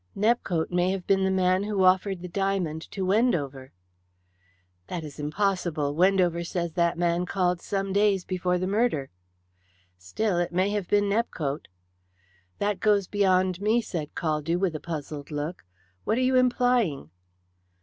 "Nepcote may have been the man who offered the diamond to Wendover." "That is impossible. Wendover says that man called some days before the murder." "Still, it may have been Nepcote." "That goes beyond me," said Caldew, with a puzzled look. "What are you implying?"